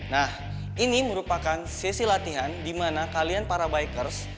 nah ini merupakan sesi latihan di mana kalian para bikers